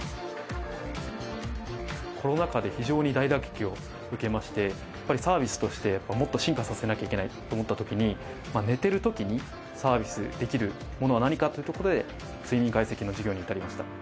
コロナ禍で非常に大打撃を受けまして、やっぱりサービスとして、もっと進化させなきゃいけないと思ったときに、寝てるときにサービスできるものは何かといったところで、睡眠解析の事業に至りました。